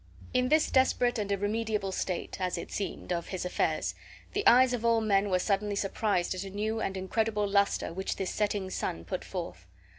In this desperate and irremediable state (as it seemed) of his affairs, the eyes of all men were suddenly surprised at a new and incredible luster which this setting sun put forth.